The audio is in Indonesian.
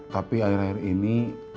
tapi akhir akhir ini